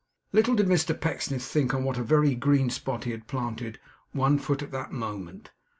Little did Mr Pecksniff think on what a very green spot he planted one foot at that moment!